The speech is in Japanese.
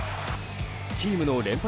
チームの連敗